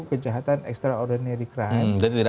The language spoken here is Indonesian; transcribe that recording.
kejahatan extraordinary crime